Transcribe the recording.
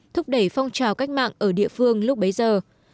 thúc đẩy phong trào cách mạng ở địa phương lúc bấy giờ